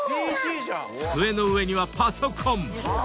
［机の上にはパソコン！］